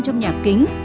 trong nhà kính